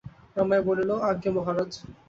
রমাই বলিল, আজ্ঞা, মহারাজ।